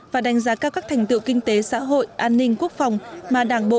và đánh giá cao các thành tựu kinh tế xã hội an ninh quốc phòng mà đảng bộ